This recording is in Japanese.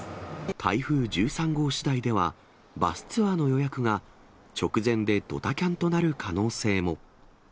台風１３号しだいではバスツアーの予約が、直前でドタキャンとなる可能性も。